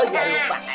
oh ya lupa